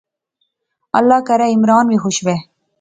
اللہ کرے عمران وی خوش وہے